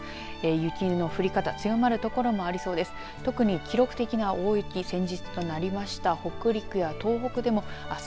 雪の降り方強まる所もありそうです。